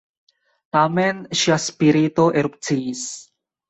Tamen ŝia spirito erupciis.